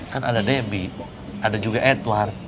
kan ada debbie ada juga edward